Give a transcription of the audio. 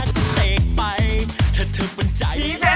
เชิญเสียด้วยนะ